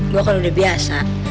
gue kan udah biasa